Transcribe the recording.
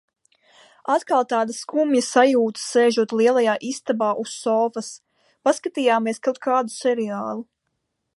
Atkal tāda skumja sajūta, sēžot lielajā istabā uz sofas. Paskatījāmies kaut kādu seriālu.